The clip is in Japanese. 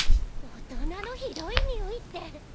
大人のひどいにおいって。